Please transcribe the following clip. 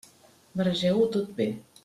Barregeu-ho tot bé.